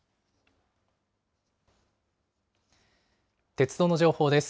鉄道の情報です。